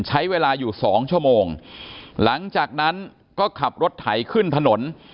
ใช้เวลาอยู่สองชั่วโมงหลังจากนั้นก็ขับรถไถขึ้นถนน